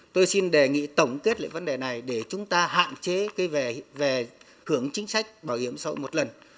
tôi xin đề nghị tổng kết lại vấn đề này để chúng ta hạn chế về hưởng chính sách bảo hiểm xã hội một lần